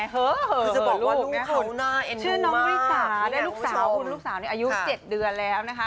เหอะลูกคือน้องวิสาและลูกสาวคุณลูกสาวนี้อายุ๗เดือนแล้วนะคะ